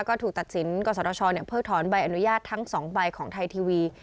ก็ถูกตัดสินก่อสทชเพิ่งถอนใบอนุญาตทั้ง๒ใบขทายทีวี